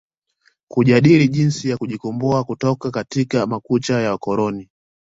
Kujadili jinsi ya kujikomboa kutoka katika makucha ya wakoloni